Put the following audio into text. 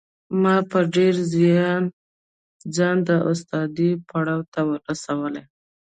ما په ډېر زیار ځان د استادۍ پړاو ته رسولی